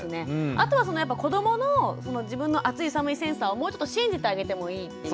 あとはそのやっぱ子どもの自分の暑い寒いセンサーをもうちょっと信じてあげてもいいっていう。